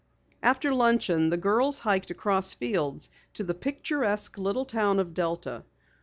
After luncheon the girls hiked across fields to the picturesque little town of Delta.